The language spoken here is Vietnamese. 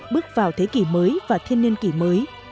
bước vào thế kỷ mới và thiên niên kỷ mới